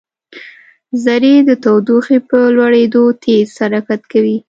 ذرې د تودوخې په لوړېدو تېز حرکت کوي.